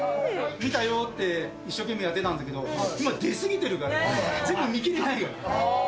見たよって、一生懸命やってたんだけど、今出過ぎてるから、全部、見きれない。